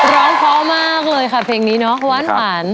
ร้อนพร้อมมากเลยค่ะเพลงนี้เนาะหวานหวัน